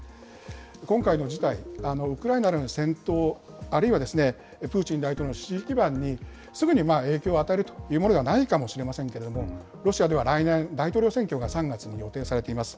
今回の事態、ウクライナへの戦闘、あるいはプーチン大統領の支持基盤にすぐに影響を与えるというものではないかもしれませんけれども、ロシアでは来年、大統領選挙が３月に予定されています。